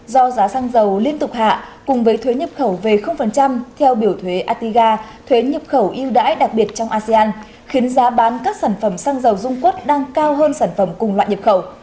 do giá xăng dầu liên tục hạ cùng với thuế nhập khẩu về theo biểu thuế atiga thuế nhập khẩu yêu đãi đặc biệt trong asean khiến giá bán các sản phẩm xăng dầu dung quất đang cao hơn sản phẩm cùng loại nhập khẩu